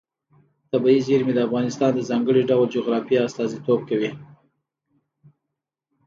طبیعي زیرمې د افغانستان د ځانګړي ډول جغرافیه استازیتوب کوي.